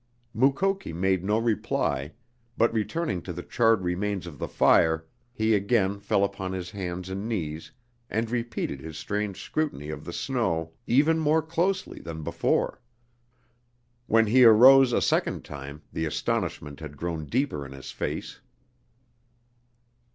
Mukoki made no reply, but returning to the charred remains of the fire he again fell upon his hands and knees and repeated his strange scrutiny of the snow even more closely than before. When he arose a second time the astonishment had grown deeper in his face.